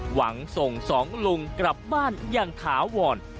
หวังส่งสองลุงกลับบ้านอย่างถาวร